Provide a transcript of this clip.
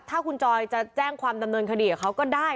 ถ้าคุณจอยจะแจ้งความดำเนินคดีกับเขาก็ได้